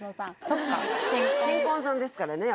そっか新婚さんですからね